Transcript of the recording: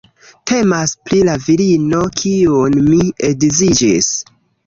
Temas pri la virino kiun mi edziĝis